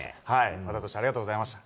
和田投手、ありがとうございました。